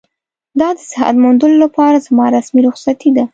دا د صحت موندلو لپاره زما رسمي رخصتي ده.